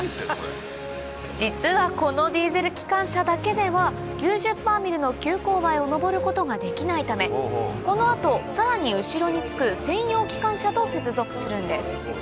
実はこのディーゼル機関車だけでは９０‰の急勾配を上ることができないためこの後さらに後ろに付く専用機関車と接続するんです